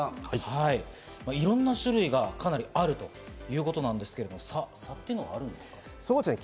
いろんな種類がかなりあるということなんですけれど、差というのはあるんですか？